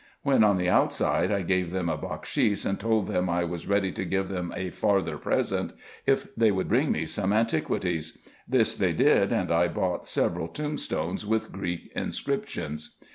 When on the outside, I gave them a bakshis, and told them, I was ready to give them a farther present, if they would bring me some antiquities. This they did, and I bought several tombstones with Greek inscriptions.